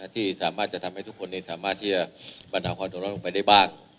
ที่สามารถจะทำให้ทุกคนเนี้ยสามารถที่จะบรรดาควันตกลงไปได้บ้าง